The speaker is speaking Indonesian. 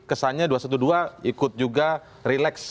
kesannya dua ratus dua belas ikut juga relax